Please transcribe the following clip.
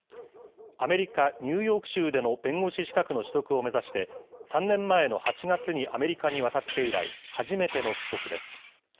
アメリカ・ニューヨーク州での弁護士資格の取得を目指して、３年前の８月にアメリカに渡って以来、初めての帰国です。